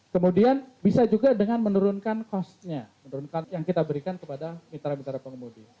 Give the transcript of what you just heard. kemudian bisa juga dengan menurunkan cost nya menurunkan yang kita berikan kepada mitra mitra pengemudi